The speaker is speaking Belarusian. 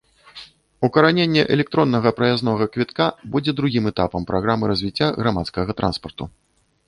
Укараненне электроннага праязнога квітка будзе другім этапам праграмы развіцця грамадскага транспарту.